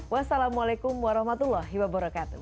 wassalamualaikum warahmatullahi wabarakatuh